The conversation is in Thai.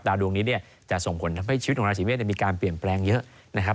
ดวงนี้เนี่ยจะส่งผลทำให้ชีวิตของราศีเมษมีการเปลี่ยนแปลงเยอะนะครับ